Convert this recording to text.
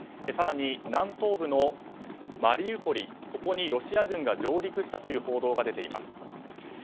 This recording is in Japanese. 更に南東部のマリウポリにロシア軍が上陸したという報道が出ています。